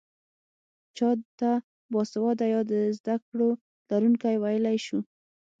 چا ته باسواده يا د زده کړو لرونکی ويلی شو؟